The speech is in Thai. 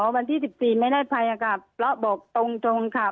อ๋อวันที่๑๔ไม่ได้ภัยค่ะแล้วบอกตรงค่ะ